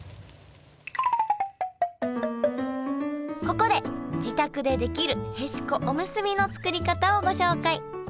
ここで自宅でできるへしこおむすびの作り方をご紹介。